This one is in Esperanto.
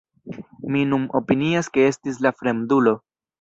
Mi nun opinias ke estis la fremdulo.